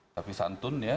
tapi santun ya